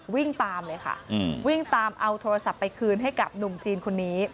วิ่งตามเลยค่ะวิ่งตามเอาโทรศัพท์ไปคืนให้กับหนุ่มจีนคนนี้